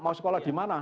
mau sekolah di mana